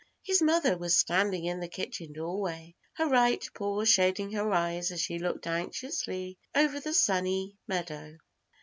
His mother was standing in the kitchen doorway, her right paw shading her eyes as she looked anxiously over the Sunny Meadow.